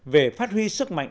về phát huy sức mạnh